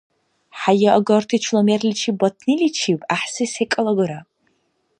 ХӀяяагарти чула мерличиб батниличиб гӀяхӀси секӀал агара.